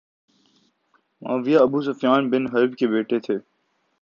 معاویہ Abu Sufyan bin Harb کے بیٹے تھے